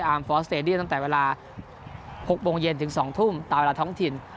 ฟอร์สเตดียมตั้งแต่เวลา๖โมงเย็นถึง๒ทุ่มตามเวลาท้องถิ่น